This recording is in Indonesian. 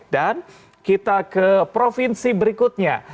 dan kita ke provinsi berikutnya